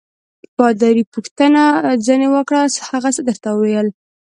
پادري پوښتنه ځینې وکړه: هغه څه درته ویل؟